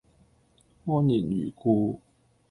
安然如故